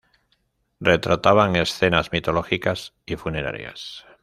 Retrataban escenas mitológicas y funerarias.